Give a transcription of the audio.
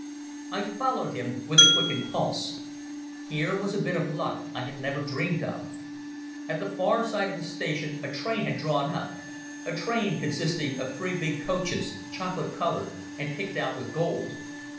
I followed him with a quickened pulse. Here was a bit of luck I had never dreamed of. At the far side of the station a train had drawn up, a train consisting of three big coaches, chocolate coloured and picked out with gold.